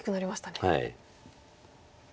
はい。